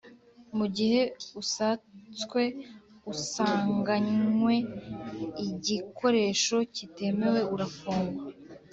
Mu gihe usatswe asanganywe igikoresho kitemewe arafungwa.